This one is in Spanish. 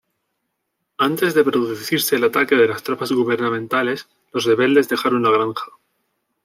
Antes de producirse el ataque de las tropas gubernamentales los rebeldes dejaron la granja.